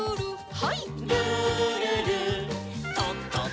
はい。